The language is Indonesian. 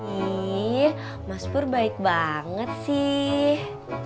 nih mas pur baik banget sih